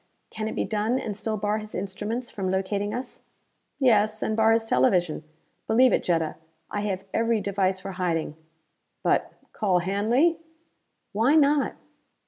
Can it be done and still bar his instruments from locating us?" "Yes, and bar his television. Believe it, Jetta. I have every device for hiding. But call Hanley!" "Why not?